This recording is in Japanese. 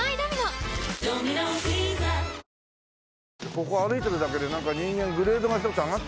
ここ歩いてるだけでなんか人間グレードが１つ上がった。